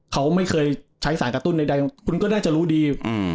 เขาไม่เคยใช้สารกระตุ้นใดคุณก็น่าจะรู้ดี